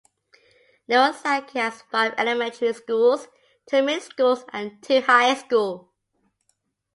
Nirasaki has five elementary schools, two middle schools and two high schools.